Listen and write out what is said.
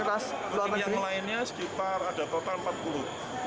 ras yang lainnya sekitar ada total